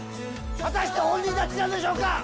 果たして本人たちなんでしょうか。